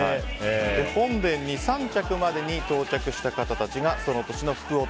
本殿に３着までに到着した方たちがその年の福男。